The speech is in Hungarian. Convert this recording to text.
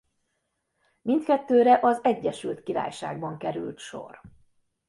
Mindkettőre az Egyesült Királyságban került sor.